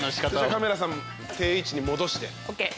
カメラさん定位置に戻して。